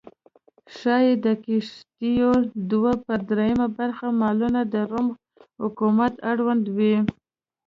ښايي د کښتیو دوه پر درېیمه برخه مالونه د روم حکومت اړوند و